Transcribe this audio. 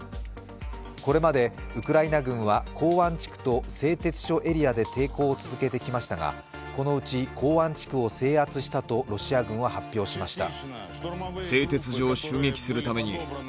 これまでウクライナ軍は港湾地区と製鉄所エリアで抵抗を続けてきましたが、このうち港湾地区を制圧したとロシア軍は発表しました。